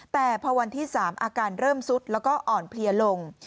แต่พอวันที่๓อาการเริ่มสุดแล้วก็อ่อนเพลียลง